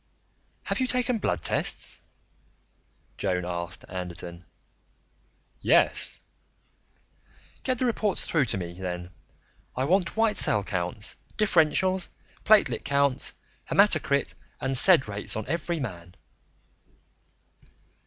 "Have you taken blood tests?" Joan asked Anderton. "Yes." "Get the reports through to me, then. I want white cell counts, differentials, platelet counts, hematocrit and sed rates on every man."